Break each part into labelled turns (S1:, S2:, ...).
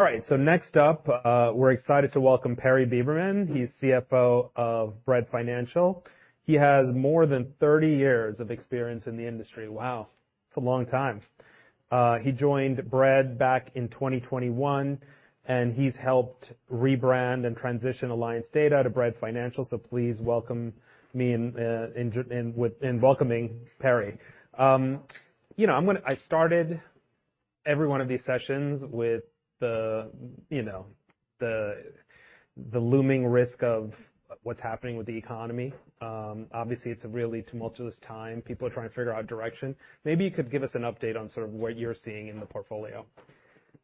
S1: All right. Next up, we're excited to welcome Perry Beberman. He's CFO of Bread Financial. He has more than 30 years of experience in the industry. Wow, that's a long time. He joined Bread back in 2021, and he's helped rebrand and transition Alliance Data to Bread Financial. Please welcome me in welcoming Perry. You know, I started every one of these sessions with the, you know, the looming risk of what's happening with the economy. Obviously, it's a really tumultuous time. People are trying to figure out direction. Maybe you could give us an update on sort of what you're seeing in the portfolio.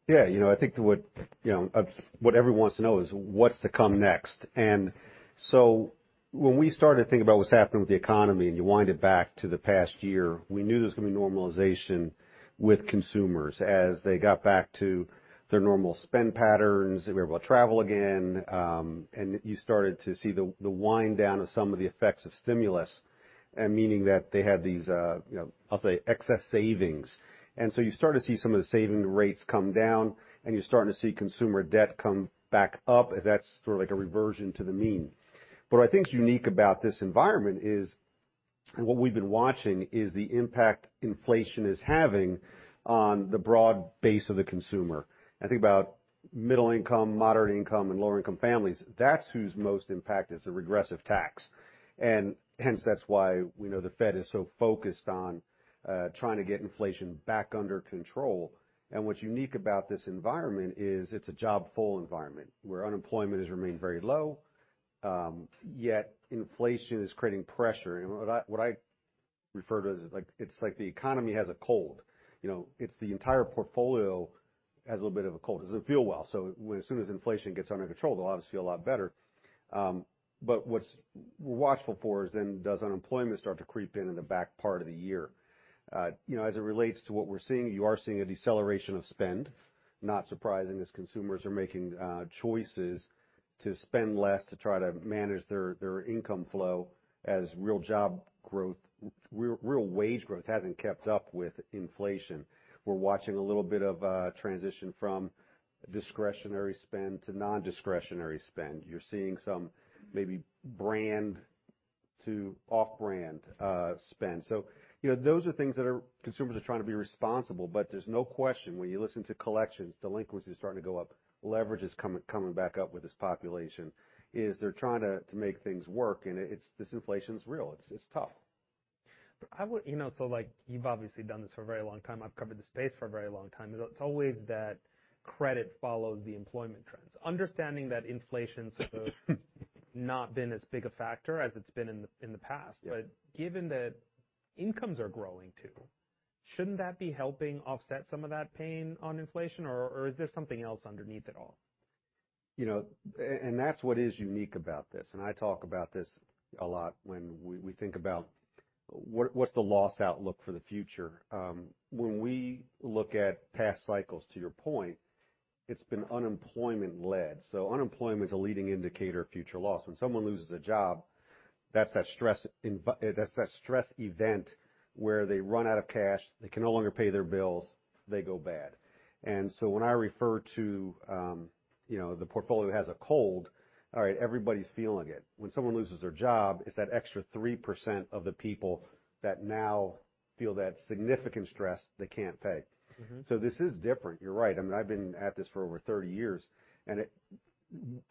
S2: Yeah. You know, I think what, you know, what everyone wants to know is what's to come next. When we started to think about what's happening with the economy and you wind it back to the past year, we knew there was gonna be normalization with consumers as they got back to their normal spend patterns. They were able to travel again, and you started to see the wind down of some of the effects of stimulus, meaning that they had these, you know, I'll say excess savings. You start to see some of the saving rates come down, and you're starting to see consumer debt come back up as that's sort of like a reversion to the mean. What I think is unique about this environment is, and what we've been watching, is the impact inflation is having on the broad base of the consumer. I think about middle income, moderate income, and lower income families, that's who's most impacted. It's a regressive tax. Hence that's why, you know, the Fed is so focused on trying to get inflation back under control. What's unique about this environment is it's a job full environment where unemployment has remained very low, yet inflation is creating pressure. What I, what I refer to as like, it's like the economy has a cold. You know, it's the entire portfolio has a little bit of a cold. It doesn't feel well. As soon as inflation gets under control, they'll obviously feel a lot better. What we're watchful for is does unemployment start to creep in in the back part of the year. You know, as it relates to what we're seeing, you are seeing a deceleration of spend, not surprising as consumers are making choices to spend less to try to manage their income flow as real job growth real wage growth hasn't kept up with inflation. We're watching a little bit of a transition from discretionary spend to non-discretionary spend. You're seeing some maybe brand to off-brand spend. You know, those are things consumers are trying to be responsible. There's no question when you listen to collections, delinquencies starting to go up, leverage is coming back up with this population, they're trying to make things work, this inflation's real. It's tough.
S1: You know, so, like, you've obviously done this for a very long time. I've covered the space for a very long time. It's always that credit follows the employment trends. Understanding that inflation's supposed not been as big a factor as it's been in the past.
S2: Yeah.
S1: Given that incomes are growing too, shouldn't that be helping offset some of that pain on inflation, or is there something else underneath it all?
S2: You know, and that's what is unique about this, and I talk about this a lot when we think about what's the loss outlook for the future. When we look at past cycles, to your point, it's been unemployment-led. Unemployment's a leading indicator of future loss. When someone loses a job, that's that stress event where they run out of cash, they can no longer pay their bills, they go bad. When I refer to, you know, the portfolio has a cold, all right, everybody's feeling it. When someone loses their job, it's that extra 3% of the people that now feel that significant stress they can't pay.
S1: Mm-hmm.
S2: This is different. You're right. I mean, I've been at this for over 30 years, and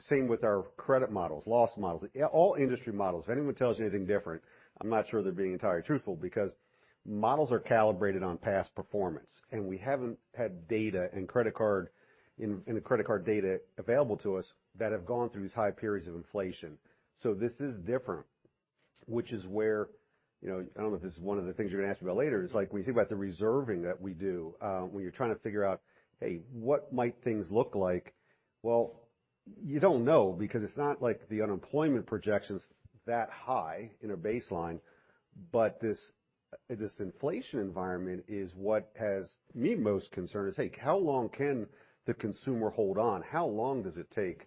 S2: Same with our credit models, loss models, all industry models. If anyone tells you anything different, I'm not sure they're being entirely truthful because models are calibrated on past performance, and we haven't had data and the credit card data available to us that have gone through these high periods of inflation. This is different, which is where, you know, I don't know if this is one of the things you're gonna ask me about later, is like when you think about the reserving that we do, when you're trying to figure out, "Hey, what might things look like?" Well, you don't know because it's not like the unemployment projection's that high in a baseline. This inflation environment is what has me most concerned is, hey, how long can the consumer hold on? How long does it take,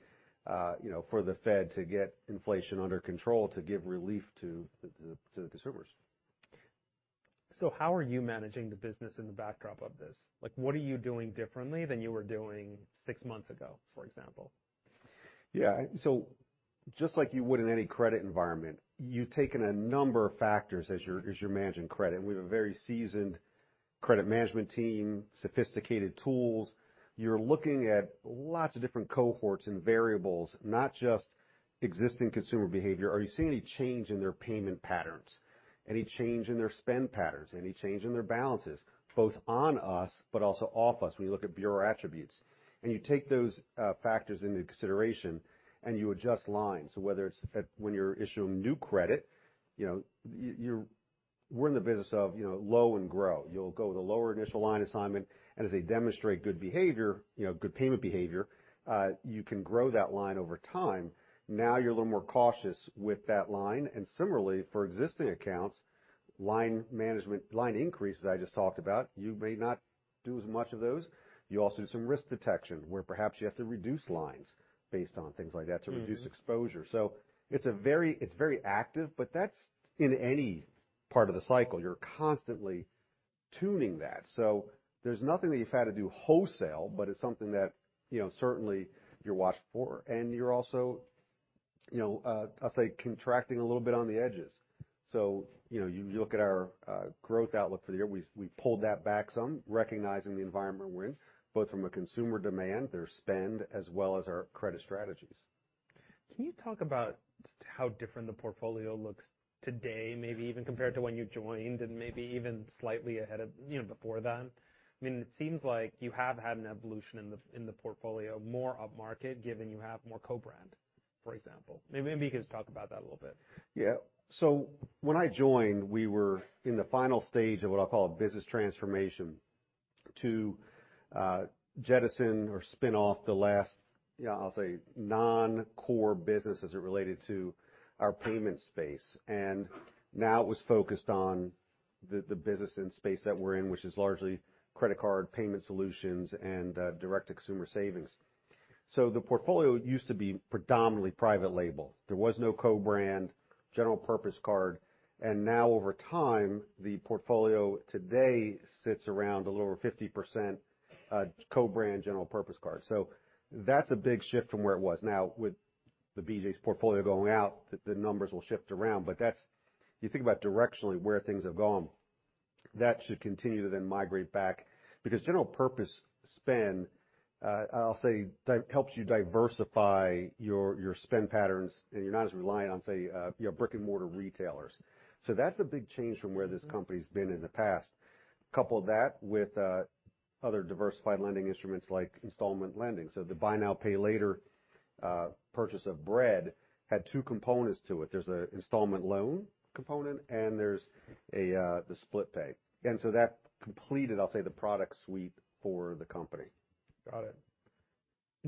S2: you know, for the Fed to get inflation under control to give relief to the consumers?
S1: How are you managing the business in the backdrop of this? Like, what are you doing differently than you were doing six months ago, for example?
S2: Just like you would in any credit environment, you've taken a number of factors as you're managing credit. We have a very seasoned credit management team, sophisticated tools. You're looking at lots of different cohorts and variables, not just existing consumer behavior. Are you seeing any change in their payment patterns? Any change in their spend patterns? Any change in their balances, both on us but also off us, when you look at bureau attributes. You take those factors into consideration, and you adjust lines. Whether it's at, when you're issuing new credit, you know, we're in the business of, you know, low and grow. You'll go with a lower initial line assignment, and as they demonstrate good behavior, you know, good payment behavior, you can grow that line over time. Now you're a little more cautious with that line. Similarly, for existing accounts, line management, line increases I just talked about, you may not do as much of those. You also do some risk detection where perhaps you have to reduce lines based on things like that.
S1: Mm-hmm.
S2: To reduce exposure. It's very active, but that's in any part of the cycle. You're constantly tuning that. There's nothing that you've had to do wholesale, but it's something that, you know, certainly you watch for. You're also, you know, I'll say contracting a little bit on the edges. You know, you look at our growth outlook for the year, we pulled that back some, recognizing the environment we're in, both from a consumer demand, their spend, as well as our credit strategies.
S1: Can you talk about how different the portfolio looks today, maybe even compared to when you joined and maybe even slightly ahead of, you know, before then? I mean, it seems like you have had an evolution in the, in the portfolio, more upmarket, given you have more co-brand, for example. Maybe you can just talk about that a little bit.
S2: When I joined, we were in the final stage of what I'll call a business transformation to jettison or spin off the last, you know, I'll say non-core businesses as it related to our payment space. Now it was focused on the business and space that we're in, which is largely credit card payment solutions and direct-to-consumer savings. The portfolio used to be predominantly private label. There was no co-brand, general purpose card. Now over time, the portfolio today sits around a little over 50% co-brand general purpose card. That's a big shift from where it was. Now with the BJ's portfolio going out, the numbers will shift around. That's, you think about directionally where things have gone, that should continue to then migrate back because general purpose spend, I'll say, helps you diversify your spend patterns, and you're not as reliant on, say, you know, brick-and-mortar retailers. That's a big change from where this company's been in the past. Couple that with other diversified lending instruments like installment lending. The buy now, pay later purchase of Bread had two components to it. There's an installment loan component, and there's the split pay. That completed, I'll say, the product suite for the company.
S1: Got it.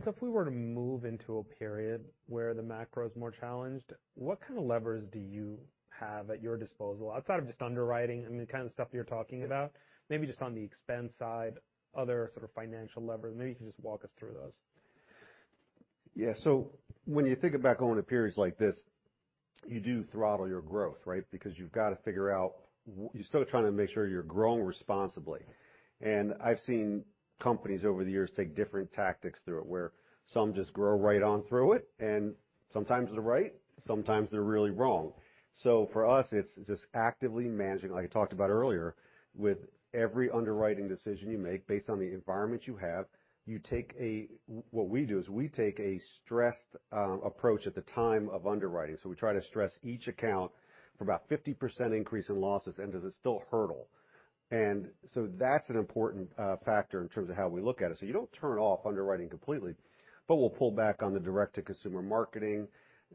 S1: If we were to move into a period where the macro is more challenged, what kind of levers do you have at your disposal outside of just underwriting? I mean, the kind of stuff you're talking about. Maybe just on the expense side, other sort of financial levers. Maybe you can just walk us through those.
S2: When you think about going to periods like this, you do throttle your growth, right? Because you've got to figure out you're still trying to make sure you're growing responsibly. I've seen companies over the years take different tactics through it, where some just grow right on through it, and sometimes they're right, sometimes they're really wrong. For us, it's just actively managing, like I talked about earlier, with every underwriting decision you make based on the environment you have, what we do is we take a stressed approach at the time of underwriting. We try to stress each account for about 50% increase in losses, and does it still hurdle. That's an important factor in terms of how we look at it. You don't turn off underwriting completely, but we'll pull back on the direct-to-consumer marketing.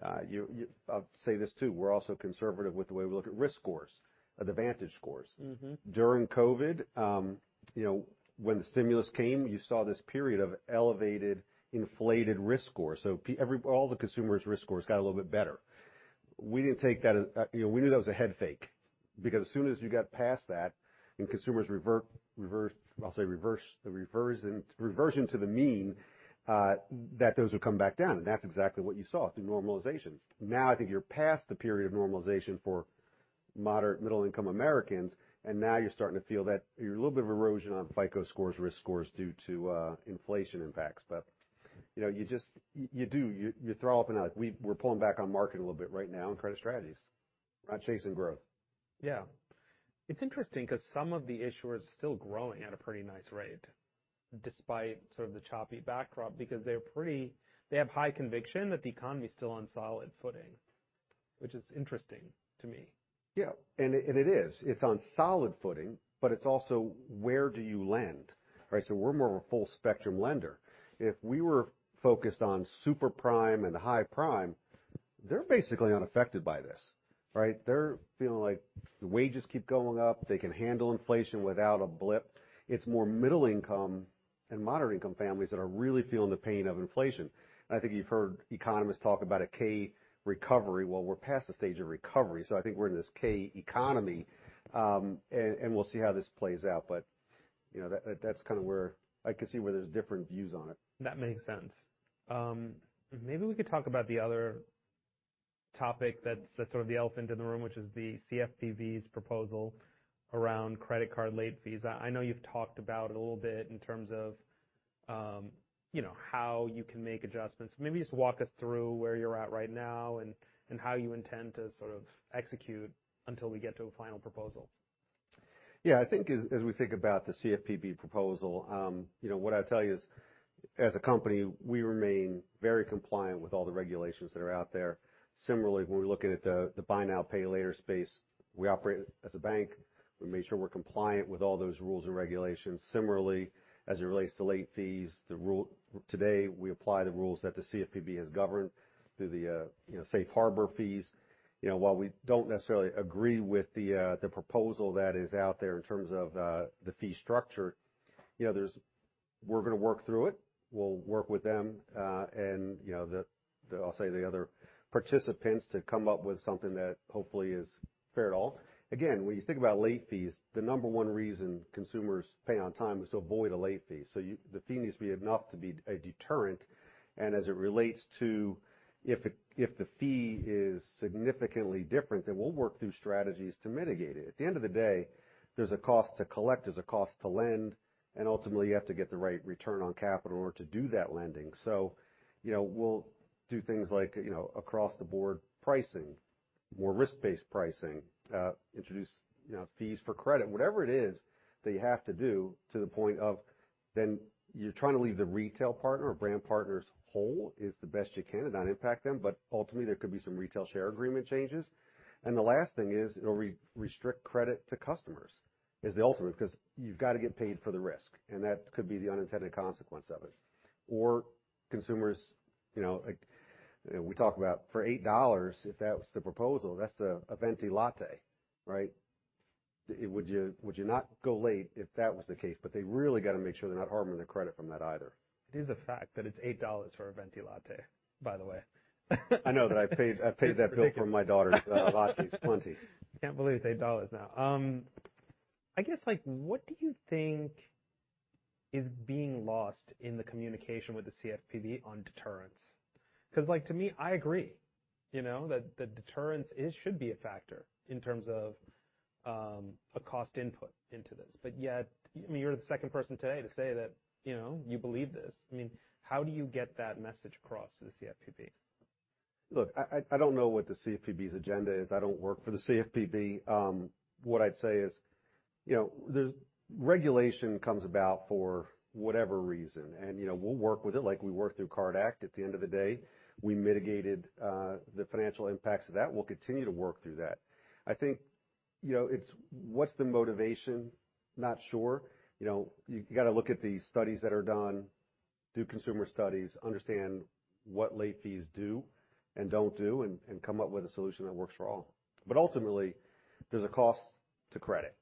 S2: I'll say this too, we're also conservative with the way we look at risk scores, the VantageScore.
S1: Mm-hmm.
S2: During COVID, you know, when the stimulus came, you saw this period of elevated inflated risk score. All the consumers' risk scores got a little bit better. We didn't take that as, you know, we knew that was a head fake because as soon as you got past that and consumers revert, reverse, I'll say reverse, the reversion to the mean, that those would come back down. That's exactly what you saw through normalization. Now, I think you're past the period of normalization for moderate middle-income Americans, and now you're starting to feel that you're a little bit of erosion on FICO scores, risk scores due to inflation impacts. You know, you just, you do, you throw up and like we're pulling back on market a little bit right now in credit strategies. We're not chasing growth.
S1: It's interesting 'cause some of the issuers are still growing at a pretty nice rate despite sort of the choppy backdrop because they're pretty they have high conviction that the economy is still on solid footing, which is interesting to me.
S2: It is. It's on solid footing, but it's also where do you lend, right? We're more of a full-spectrum lender. If we were focused on super-prime and the high prime, they're basically unaffected by this, right? They're feeling like the wages keep going up. They can handle inflation without a blip. It's more middle income and moderate income families that are really feeling the pain of inflation. I think you've heard economists talk about a K-shaped recovery. Well, we're past the stage of recovery. I think we're in this K-shaped economy, and we'll see how this plays out. You know, that's kind of where I can see where there's different views on it.
S1: That makes sense. Maybe we could talk about the other topic that's sort of the elephant in the room, which is the CFPB's proposal around credit card late fees. I know you've talked about it a little bit in terms of, you know, how you can make adjustments. Maybe just walk us through where you're at right now and how you intend to sort of execute until we get to a final proposal.
S2: Yeah. I think as we think about the CFPB proposal, you know, what I'd tell you is, as a company, we remain very compliant with all the regulations that are out there. Similarly, when we're looking at the buy now, pay later space, we operate as a bank. We make sure we're compliant with all those rules and regulations. Similarly, as it relates to late fees, today, we apply the rules that the CFPB has governed through the, you know, safe harbor fees. You know, while we don't necessarily agree with the proposal that is out there in terms of the fee structure, you know, we're gonna work through it. We'll work with them, and, you know, I'll say the other participants to come up with something that hopefully is fair to all. When you think about late fees, the number one reason consumers pay on time is to avoid a late fee. The fee needs to be enough to be a deterrent. As it relates to if the fee is significantly different, we'll work through strategies to mitigate it. At the end of the day, there's a cost to collect, there's a cost to lend, and ultimately, you have to get the right return on capital to do that lending. You know, we'll do things like, you know, across the board pricing. More risk-based pricing, introduce, you know, fees for credit. Whatever it is that you have to do to the point of then you're trying to leave the retail partner or brand partners whole is the best you can to not impact them, but ultimately, there could be some retail share agreement changes. The last thing is it'll re-restrict credit to customers is the ultimate, 'cause you've gotta get paid for the risk, that could be the unintended consequence of it. Consumers, you know, like we talk about for $8, if that was the proposal, that's a venti latte, right? Would you not go late if that was the case? They really gotta make sure they're not harming their credit from that either.
S1: It is a fact that it's $8 for a venti latte, by the way.
S2: I know that I paid that bill for my daughter's lattes plenty.
S1: Can't believe it's $8 now. I guess like what do you think is being lost in the communication with the CFPB on deterrence? 'Cause like to me, I agree, you know, that deterrence is should be a factor in terms of, a cost input into this. I mean, you're the second person today to say that, you know, you believe this. I mean, how do you get that message across to the CFPB?
S2: Look, I don't know what the CFPB's agenda is. I don't work for the CFPB. What I'd say is, you know, the regulation comes about for whatever reason and, you know, we'll work with it like we worked through Card Act. At the end of the day, we mitigated the financial impacts of that. We'll continue to work through that. I think, you know, it's what's the motivation? Not sure. You know, you gotta look at the studies that are done, do consumer studies, understand what late fees do and don't do, and come up with a solution that works for all. Ultimately, there's a cost to credit,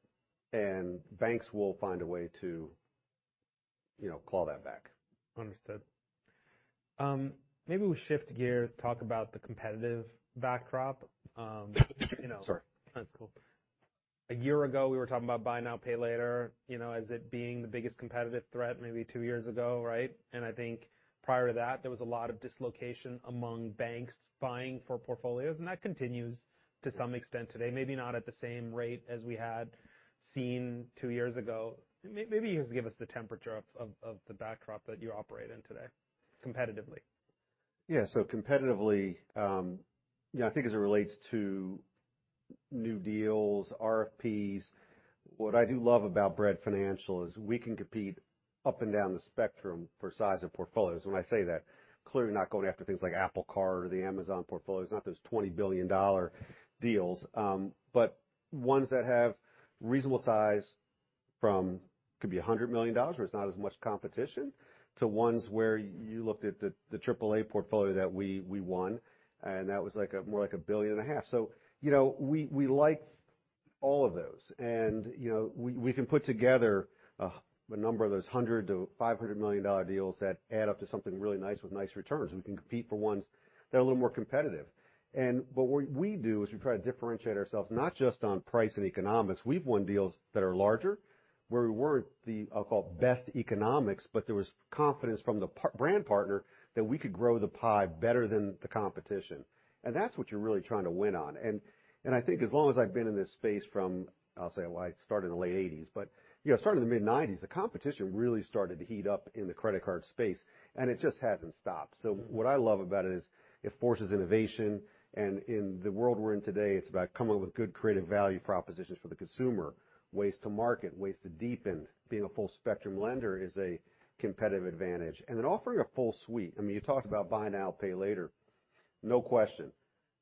S2: and banks will find a way to, you know, call that back.
S1: Understood. Maybe we'll shift gears, talk about the competitive backdrop, you know.
S2: Sorry.
S1: That's cool. A year ago, we were talking about buy now, pay later, you know, as it being the biggest competitive threat maybe two years ago, right? I think prior to that, there was a lot of dislocation among banks buying for portfolios, and that continues to some extent today. Maybe not at the same rate as we had seen two years ago. Maybe just give us the temperature of the backdrop that you operate in today, competitively.
S2: Competitively, you know, I think as it relates to new deals, RFPs, what I do love about Bread Financial is we can compete up and down the spectrum for size of portfolios. When I say that, clearly not going after things like Apple Card or the Amazon portfolios, not those $20 billion deals. But ones that have reasonable size from could be $100 million where it's not as much competition, to ones where you looked at the AAA portfolio that we won, and that was more like $1.5 billion. You know, we like all of those. You know, we can put together a number of those $100 million-$500 million deals that add up to something really nice with nice returns. We can compete for ones that are a little more competitive. But what we do is we try to differentiate ourselves not just on price and economics. We've won deals that are larger, where we weren't the, I'll call best economics, but there was confidence from the brand partner that we could grow the pie better than the competition. That's what you're really trying to win on. I think as long as I've been in this space from, I'll say, well, I started in the late 1980s, but, you know, starting in the mid-1990s, the competition really started to heat up in the credit card space, and it just hasn't stopped. What I love about it is it forces innovation, and in the world we're in today, it's about coming up with good creative value propositions for the consumer, ways to market, ways to deepen. Being a full-spectrum lender is a competitive advantage. Then offering a full suite. I mean, you talked about buy now, pay later. No question.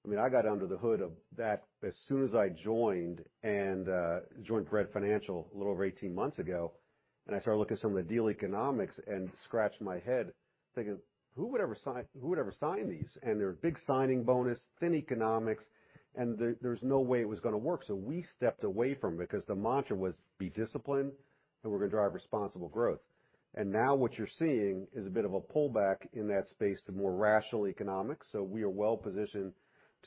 S2: I mean, I got under the hood of that as soon as I joined Bread Financial a little over 18 months ago, and I started looking at some of the deal economics and scratched my head thinking, "Who would ever sign these?" There were big signing bonus, thin economics, and there's no way it was gonna work. We stepped away from it because the mantra was be disciplined, and we're gonna drive responsible growth. Now what you're seeing is a bit of a pullback in that space to more rational economics. We are well positioned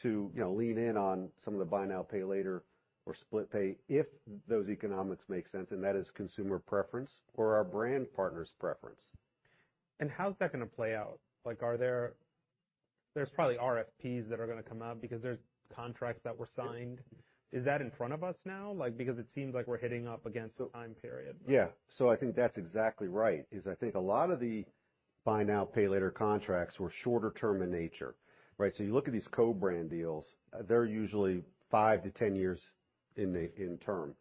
S2: to, you know, lean in on some of the buy now, pay later or split pay if those economics make sense, and that is consumer preference or our brand partner's preference.
S1: How's that gonna play out? Like, There's probably RFPs that are gonna come out because there's contracts that were signed. Is that in front of us now? Like, because it seems like we're hitting up against the time period.
S2: I think that's exactly right, is I think a lot of the buy now, pay later contracts were shorter term in nature, right? You look at these co-brand deals, they're usually five to 10 years in term.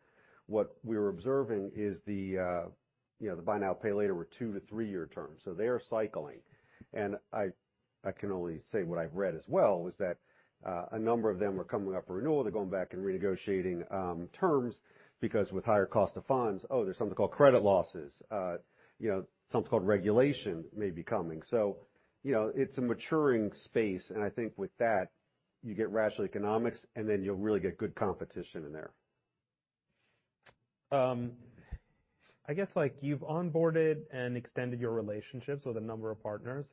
S2: What we're observing is, you know, the buy now, pay later were two to three year terms, so they are cycling. I can only say what I've read as well, is that a number of them are coming up for renewal. They're going back and renegotiating terms because with higher cost of funds, there's something called credit losses. You know, something called regulation may be coming. You know, it's a maturing space, and I think with that, you get rational economics, and then you'll really get good competition in there.
S1: I guess like you've onboarded and extended your relationships with a number of partners.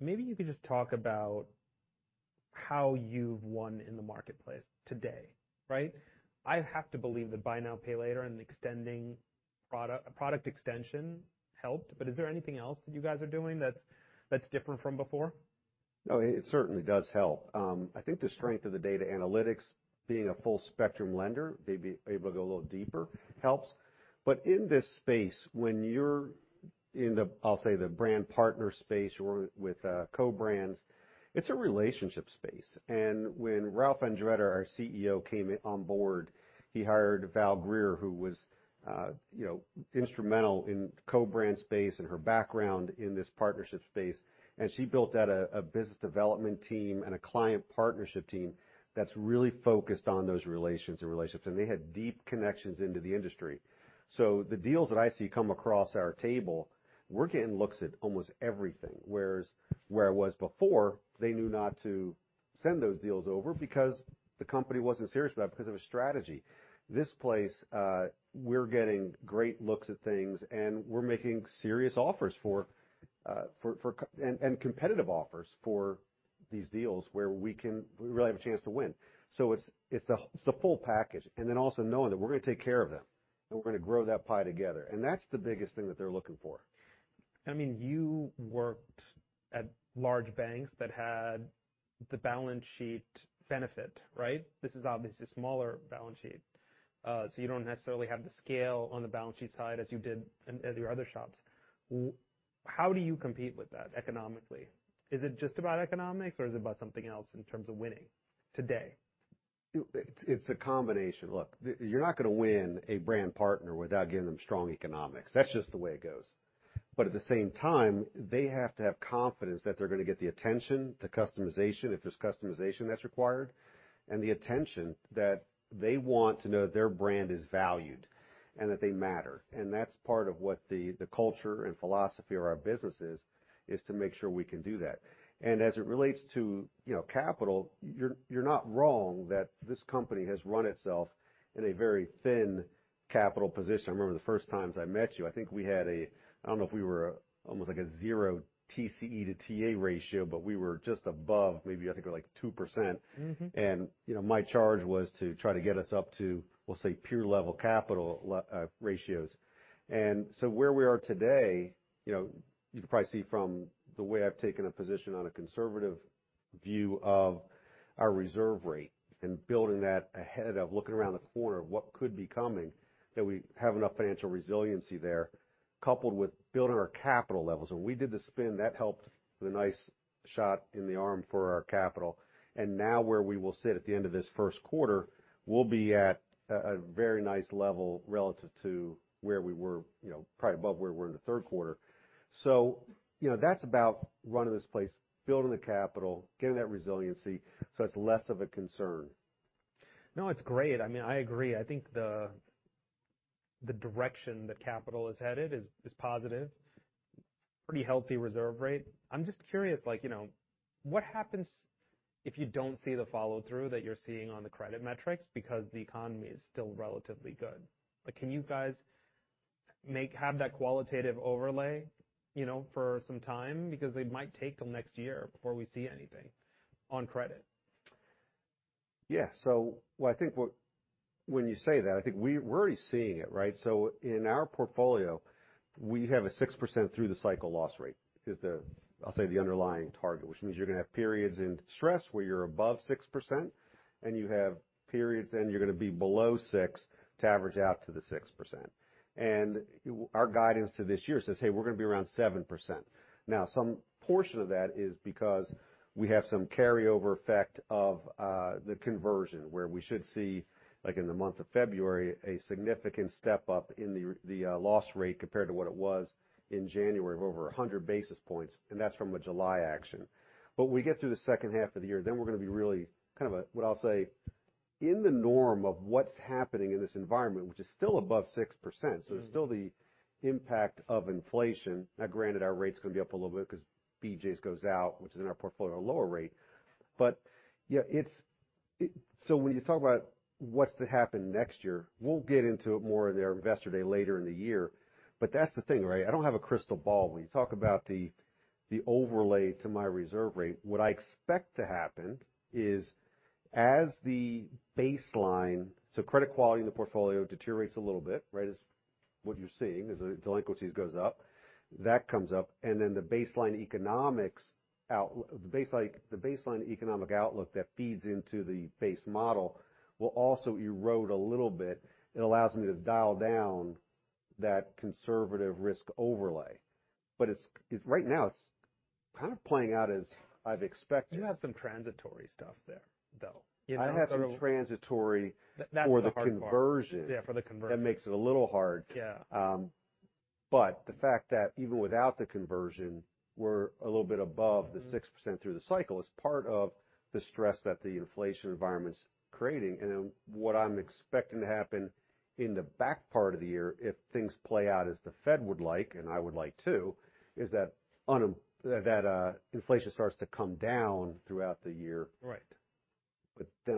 S1: Maybe you could just talk about how you've won in the marketplace today, right? I have to believe that buy now, pay later and extending a product extension helped, but is there anything else that you guys are doing that's different from before?
S2: No, it certainly does help. I think the strength of the data analytics, being a full-spectrum lender, being able to go a little deeper helps. In this space, when you're in the, I'll say, the brand partner space or with co-brands, it's a relationship space. When Ralph Andretta, our CEO, came on board, he hired Valerie Greer, who was, you know, instrumental in co-brand space and her background in this partnership space. She built out a business development team and a client partnership team that's really focused on those relations and relationships. They had deep connections into the industry. The deals that I see come across our table, we're getting looks at almost everything. Whereas, where I was before, they knew not to send those deals over because the company wasn't serious about it because of a strategy. This place, we're getting great looks at things, and we're making serious offers for and competitive offers for these deals where we really have a chance to win. It's, it's the, it's the full package, and then also knowing that we're gonna take care of them and we're gonna grow that pie together. That's the biggest thing that they're looking for.
S1: I mean, you worked at large banks that had the balance sheet benefit, right? This is obviously a smaller balance sheet. You don't necessarily have the scale on the balance sheet side as you did at your other shops. How do you compete with that economically? Is it just about economics, or is it about something else in terms of winning today?
S2: It's, it's a combination. Look, you're not gonna win a brand partner without giving them strong economics. That's just the way it goes. At the same time, they have to have confidence that they're gonna get the attention, the customization, if there's customization that's required, and the attention that they want to know their brand is valued and that they matter. That's part of what the culture and philosophy of our business is to make sure we can do that. As it relates to, you know, capital, you're not wrong that this company has run itself in a very thin capital position. I remember the first time I met you, I think we had a... I don't know if we were almost like a 0 TCE-to-TA ratio, but we were just above, maybe I think we were like 2%.
S1: Mm-hmm.
S2: You know, my charge was to try to get us up to, we'll say, peer-level capital ratios. Where we are today, you know, you can probably see from the way I've taken a position on a conservative view of our reserve rate and building that ahead of looking around the corner of what could be coming, that we have enough financial resiliency there, coupled with building our capital levels. When we did the spin, that helped with a nice shot in the arm for our capital. Now where we will sit at the end of this first quarter, we'll be at a very nice level relative to where we were, you know, probably above where we were in the third quarter. You know, that's about running this place, building the capital, getting that resiliency, so it's less of a concern.
S1: No, it's great. I mean, I agree. I think the direction that capital is headed is positive. Pretty healthy reserve rate. I'm just curious, like, you know, what happens if you don't see the follow-through that you're seeing on the credit metrics because the economy is still relatively good? Can you guys have that qualitative overlay, you know, for some time? Because it might take till next year before we see anything on credit.
S2: Yeah. I think when you say that, I think we're already seeing it, right? In our portfolio, we have a 6% through the cycle loss rate is the, I'll say, the underlying target, which means you're gonna have periods in stress where you're above 6%, and you have periods then you're gonna be below 6% to average out to the 6%. Our guidance to this year says, hey, we're gonna be around 7%. Now, some portion of that is because we have some carryover effect of the conversion, where we should see, like in the month of February, a significant step-up in the loss rate compared to what it was in January of over 100 basis points, and that's from a July action. We get through the second half of the year, then we're gonna be really kind of a, what I'll say, in the norm of what's happening in this environment, which is still above 6%. There's still the impact of inflation. Now granted, our rate's gonna be up a little bit 'cause BJ's goes out, which is in our portfolio, a lower rate. Yeah, it's. When you talk about what's to happen next year, we'll get into it more in our investor day later in the year. That's the thing, right? I don't have a crystal ball. When you talk about the overlay to my reserve rate, what I expect to happen is as the baseline. Credit quality in the portfolio deteriorates a little bit, right? Is what you're seeing is delinquencies goes up, that comes up. The baseline economic outlook that feeds into the base model will also erode a little bit. It allows me to dial down that conservative risk overlay. Right now, it's kind of playing out as I've expected.
S1: You have some transitory stuff there, though. You know, sort of.
S2: I have some transitory-
S1: That's the hard part.
S2: for the conversion.
S1: Yeah, for the conversion.
S2: That makes it a little hard.
S1: Yeah.
S2: The fact that even without the conversion, we're a little bit above the 6% through the cycle is part of the stress that the inflation environment's creating. What I'm expecting to happen in the back part of the year, if things play out as the Fed would like, and I would like too, is that inflation starts to come down throughout the year.
S1: Right.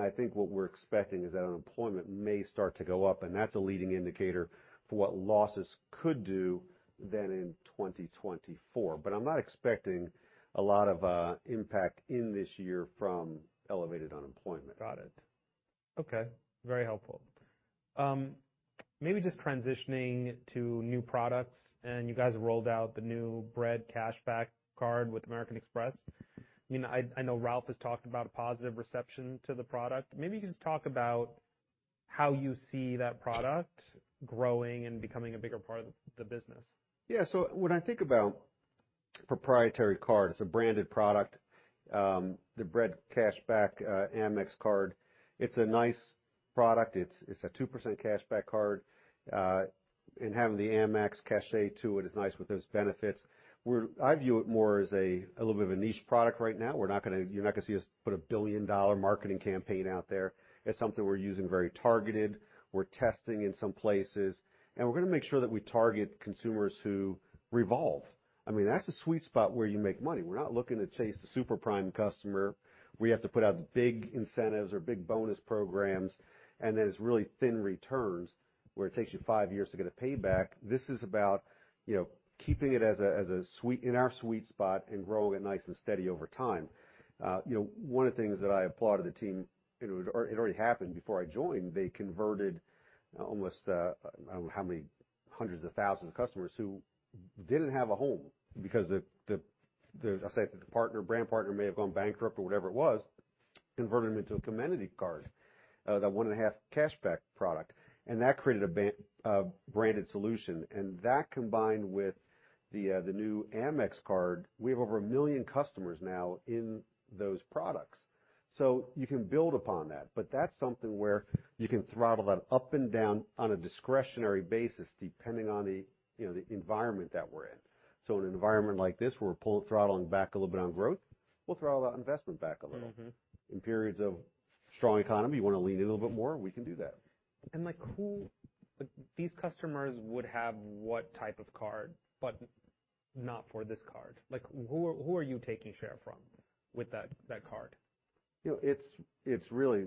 S2: I think what we're expecting is that unemployment may start to go up, and that's a leading indicator for what losses could do than in 2024. I'm not expecting a lot of impact in this year from elevated unemployment.
S1: Got it. Okay, very helpful. Maybe just transitioning to new products, and you guys rolled out the new Bread Cashback card with American Express. You know, I know Ralph has talked about a positive reception to the product. Maybe you can just talk about how you see that product growing and becoming a bigger part of the business.
S2: Yeah. When I think about proprietary cards, a branded product, the Bread Cashback Amex card, it's a nice product. It's a 2% cashback card. Having the Amex cachet to it is nice with those benefits. I view it more as a little bit of a niche product right now. You're not gonna see us put a billion-dollar marketing campaign out there. It's something we're using very targeted. We're testing in some places, and we're gonna make sure that we target consumers who revolve. I mean, that's the sweet spot where you make money. We're not looking to chase the super-prime customer, where you have to put out big incentives or big bonus programs, and there's really thin returns where it takes you five years to get a payback. This is about, you know, keeping it in our sweet spot and growing it nice and steady over time. You know, one of the things that I applaud the team, it already happened before I joined, they converted almost, I don't know how many hundreds of thousands of customers who didn't have a home because the, as I said, the partner, brand partner may have gone bankrupt or whatever it was, converted them into a commodity card, that one and a half cashback product. That created a branded solution. That combined with the new Amex card, we have over 1 million customers now in those products. You can build upon that. That's something where you can throttle that up and down on a discretionary basis depending on the, you know, the environment that we're in. In an environment like this where we're throttling back a little bit on growth, we'll throttle that investment back a little.
S1: Mm-hmm.
S2: In periods of strong economy, you wanna lean in a little bit more, we can do that.
S1: Like, these customers would have what type of card, but not for this card? Like, who are you taking share from with that card?
S2: You know, it's really.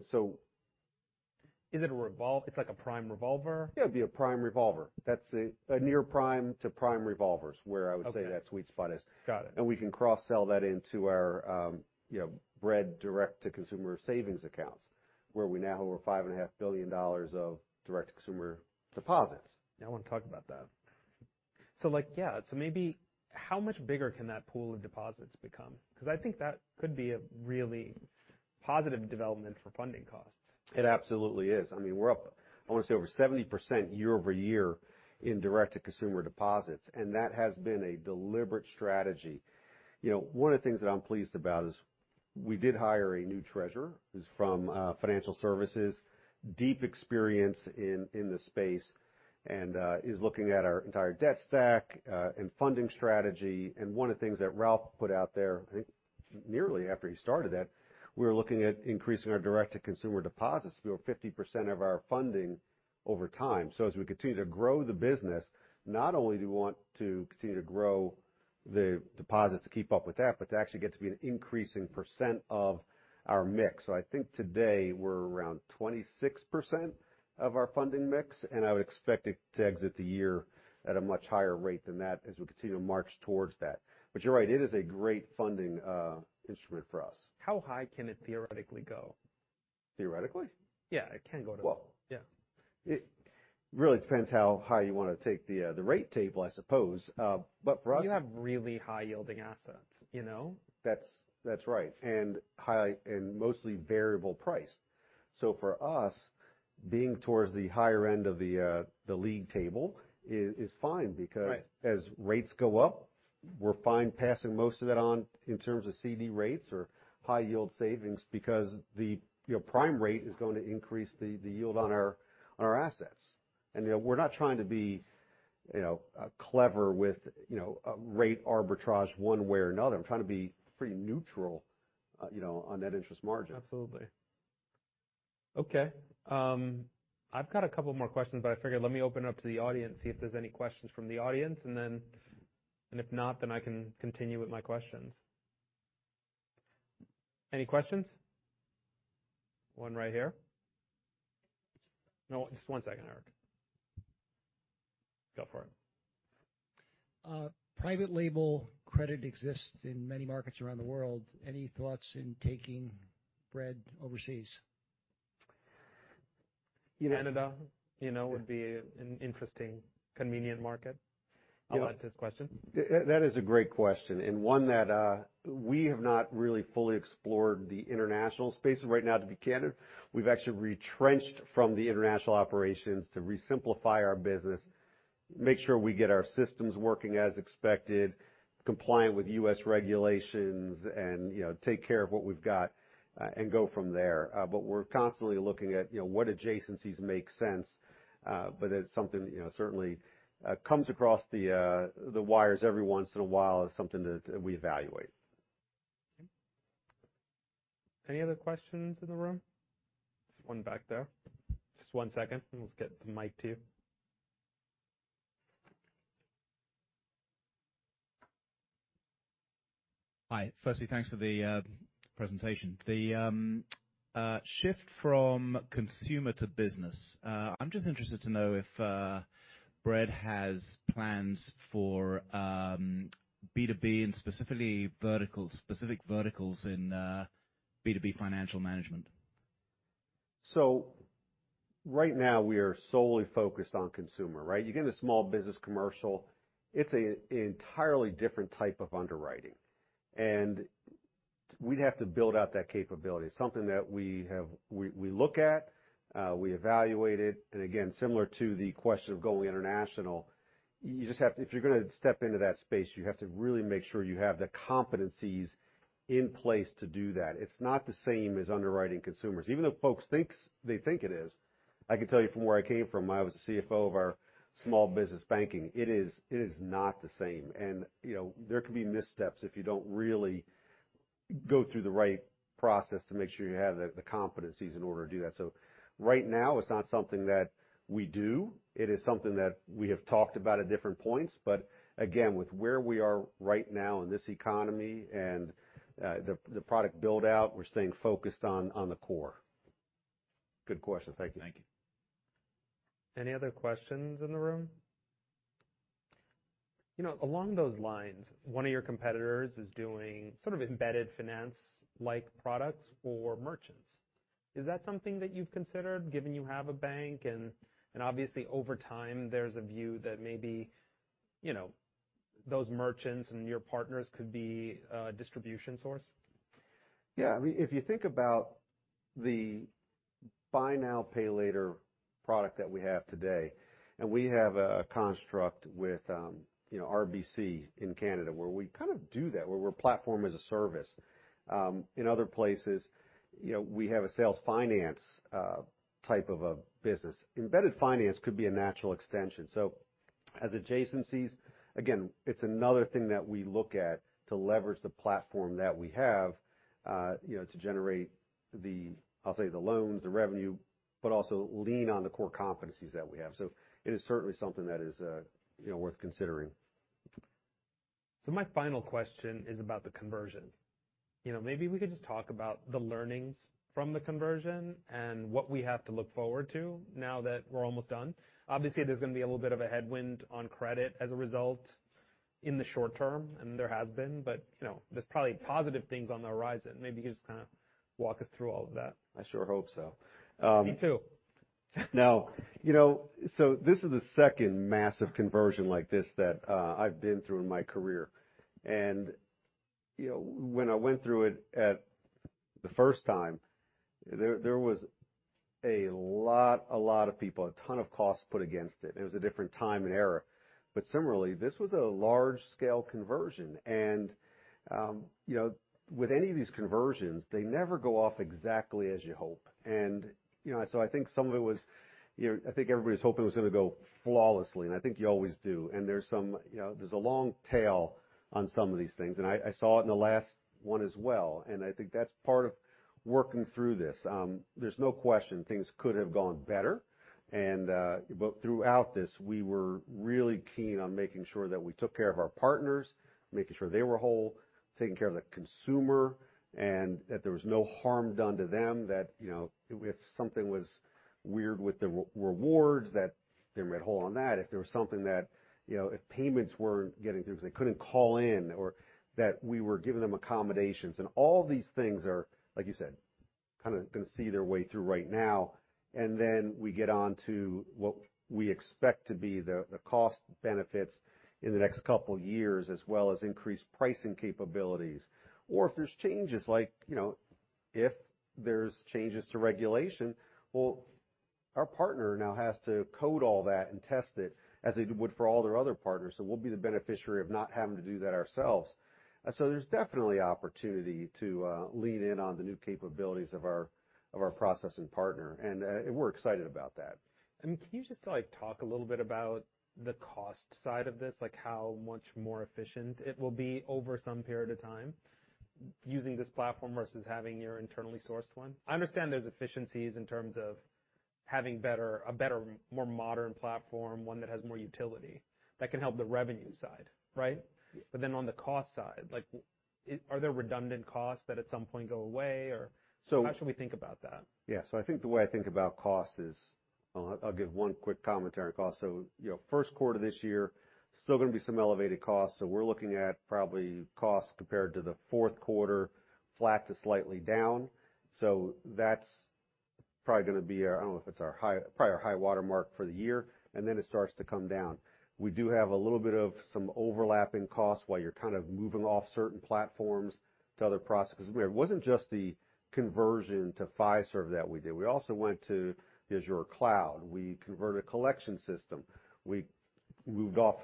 S1: It's like a prime revolver?
S2: Yeah. It'd be a prime revolver. That's a near prime to prime revolvers, where I would say-
S1: Okay.
S2: that sweet spot is.
S1: Got it.
S2: We can cross-sell that into our, you know, Bread direct-to-consumer savings accounts, where we now hold over $5.5 billion Of direct-to-consumer deposits.
S1: Yeah, I wanna talk about that. Like, yeah, so maybe how much bigger can that pool of deposits become? I think that could be a really positive development for funding costs.
S2: It absolutely is. I mean, we're up, I wanna say, over 70% year-over-year in direct-to-consumer deposits, and that has been a deliberate strategy. You know, one of the things that I'm pleased about is we did hire a new treasurer who's from financial services, deep experience in the space, and is looking at our entire debt stack and funding strategy. One of the things that Ralph put out there, I think nearly after he started that, we were looking at increasing our direct-to-consumer deposits to over 50% of our funding over time. As we continue to grow the business, not only do we want to continue to grow the deposits to keep up with that, but to actually get to be an increasing percent of our mix. I think today we're around 26% of our funding mix, and I would expect it to exit the year at a much higher rate than that as we continue to march towards that. You're right, it is a great funding instrument for us.
S1: How high can it theoretically go?
S2: Theoretically?
S1: Yeah, it can go...
S2: Well-
S1: Yeah.
S2: It really depends how high you wanna take the rate table, I suppose.
S1: You have really high-yielding assets, you know?
S2: That's right, and mostly variable price. For us, being towards the higher end of the league table is fine.
S1: Right.
S2: As rates go up, we're fine passing most of that on in terms of CD rates or high-yield savings because the, you know, prime rate is going to increase the yield on our assets. You know, we're not trying to be, you know, clever with, you know, a rate arbitrage one way or another. I'm trying to be pretty neutral, you know, on net interest margin.
S1: Absolutely. Okay. I've got a couple more questions, but I figured let me open up to the audience, see if there's any questions from the audience. If not, I can continue with my questions. Any questions? One right here. No, just one second, Eric. Go for it.
S3: Private label credit exists in many markets around the world. Any thoughts in taking Bread overseas?
S1: Canada, you know, would be an interesting, convenient market.
S2: You know.
S1: I like this question.
S2: That is a great question, and one that, we have not really fully explored the international space right now to be candid. We've actually retrenched from the international operations to re-simplify our business, make sure we get our systems working as expected, compliant with U.S. regulations, and, you know, take care of what we've got, and go from there. We're constantly looking at, you know, what adjacencies make sense. It's something, you know, certainly, comes across the wires every once in a while as something that, we evaluate.
S1: Okay. Any other questions in the room? There's one back there. Just one second, and we'll get the mic to you.
S4: Hi. Firstly, thanks for the presentation. The shift from consumer to business. I'm just interested to know if Bread has plans for B2B and specifically verticals, specific verticals in? B2B financial management.
S2: Right now, we are solely focused on consumer, right? You get into small business commercial, it's an entirely different type of underwriting. We'd have to build out that capability. It's something that we look at, we evaluate it. Again, similar to the question of going international, you just have to If you're gonna step into that space, you have to really make sure you have the competencies in place to do that. It's not the same as underwriting consumers. Even though folks thinks they think it is, I can tell you from where I came from when I was a CFO of our small business banking, it is, it is not the same. You know, there can be missteps if you don't really go through the right process to make sure you have the competencies in order to do that. Right now, it's not something that we do. It is something that we have talked about at different points. Again, with where we are right now in this economy and the product build-out, we're staying focused on the core. Good question. Thank you.
S1: Thank you. Any other questions in the room? You know, along those lines, one of your competitors is doing sort of embedded finance-like products for merchants. Is that something that you've considered given you have a bank and obviously over time, there's a view that maybe, you know, those merchants and your partners could be a distribution source?
S2: Yeah. I mean, if you think about the buy now, pay later product that we have today, we have a construct with, you know, RBC in Canada, where we kind of do that, where we're Platform as a Service. In other places, you know, we have a sales finance type of a business. Embedded finance could be a natural extension. As adjacencies, again, it's another thing that we look at to leverage the platform that we have, you know, to generate the, I'll say, the loans, the revenue, but also lean on the core competencies that we have. It is certainly something that is, you know, worth considering.
S1: My final question is about the conversion. You know, maybe we could just talk about the learnings from the conversion and what we have to look forward to now that we're almost done. Obviously, there's gonna be a little bit of a headwind on credit as a result in the short term, and there has been, but, you know, there's probably positive things on the horizon. Maybe you just kinda walk us through all of that.
S2: I sure hope so.
S1: Me too.
S2: No. You know, this is the second massive conversion like this that I've been through in my career. You know, when I went through it at the first time, there was a lot of people, a ton of costs put against it. It was a different time and era. Similarly, this was a large-scale conversion. You know, with any of these conversions, they never go off exactly as you hope. You know, I think some of it was, you know, I think everybody was hoping it was gonna go flawlessly, and I think you always do. There's some, you know, there's a long tail on some of these things. I saw it in the last one as well, and I think that's part of working through this. There's no question things could have gone better. Throughout this, we were really keen on making sure that we took care of our partners, making sure they were whole, taking care of the consumer, and that there was no harm done to them that, you know, if something was weird with the rewards, that they were at whole on that. If there was something that, you know, if payments weren't getting through because they couldn't call in or that we were giving them accommodations. All these things are, like you said, kind of going to see their way through right now. We get on to what we expect to be the cost benefits in the next couple years, as well as increased pricing capabilities. If there's changes, like, you know, if there's changes to regulation, well, our partner now has to code all that and test it as they would for all their other partners. We'll be the beneficiary of not having to do that ourselves. There's definitely opportunity to lean in on the new capabilities of our, of our processing partner, and we're excited about that.
S1: Can you just like talk a little bit about the cost side of this, like how much more efficient it will be over some period of time using this platform versus having your internally sourced one. I understand there's efficiencies in terms of having a better, more modern platform, one that has more utility that can help the revenue side, right.
S2: Yeah.
S1: On the cost side, like are there redundant costs that at some point go away or?
S2: So-
S1: How should we think about that?
S2: I think the way I think about cost is, I'll give one quick commentary on cost. You know, first quarter this year, still gonna be some elevated costs. We're looking at probably costs compared to the fourth quarter, flat to slightly down. That's probably gonna be our, I don't know if it's our probably our high watermark for the year, and then it starts to come down. We do have a little bit of some overlapping costs while you're kind of moving off certain platforms to other processes. It wasn't just the conversion to Fiserv that we did. We also went to the Azure cloud. We converted a collection system. We moved off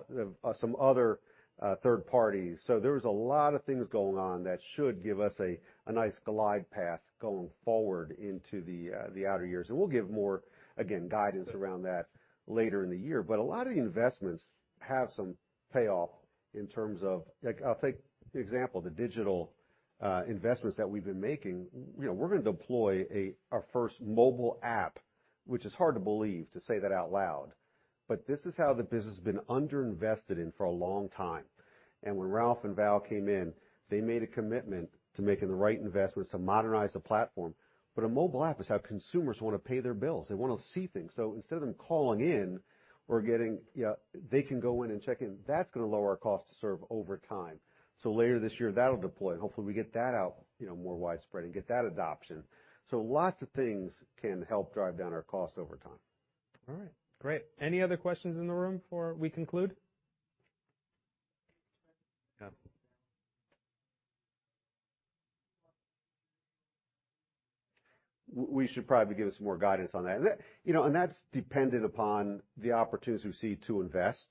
S2: of some other third parties. There was a lot of things going on that should give us a nice glide path going forward into the outer years. We'll give more, again, guidance around that later in the year. A lot of the investments have some payoff in terms of, Like, I'll take the example, the digital investments that we've been making. You know, we're gonna deploy our first mobile app, which is hard to believe to say that out loud. This is how the business has been underinvested in for a long time. When Ralph and Val came in, they made a commitment to making the right investments to modernize the platform. A mobile app is how consumers wanna pay their bills. They wanna see things. Instead of them calling in or getting, you know, they can go in and check in. That's gonna lower our cost to serve over time. Later this year, that'll deploy. Hopefully, we get that out, you know, more widespread and get that adoption. Lots of things can help drive down our cost over time.
S1: All right. Great. Any other questions in the room before we conclude?
S2: We should probably give some more guidance on that. That, you know, that's dependent upon the opportunities we see to invest.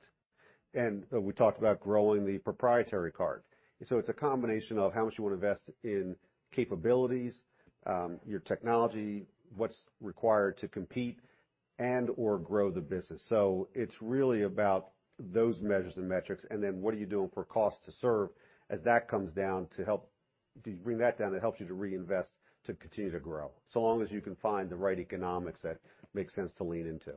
S2: We talked about growing the proprietary card. It's a combination of how much you wanna invest in capabilities, your technology, what's required to compete and/or grow the business. It's really about those measures and metrics, and then what are you doing for cost to serve as that comes down to help. If you bring that down, it helps you to reinvest, to continue to grow, so long as you can find the right economics that make sense to lean into.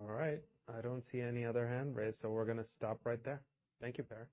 S1: All right. I don't see any other hand raised, so we're gonna stop right there. Thank you, Perry.